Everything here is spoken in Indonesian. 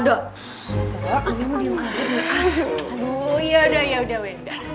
aduh yaudah yaudah wenda